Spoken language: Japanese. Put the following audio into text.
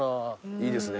いいですね